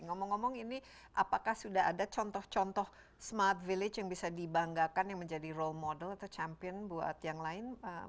ngomong ngomong ini apakah sudah ada contoh contoh smart village yang bisa dibanggakan yang menjadi role model atau champion buat yang lain